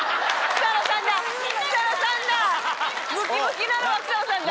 ムキムキなのは草野さんだ。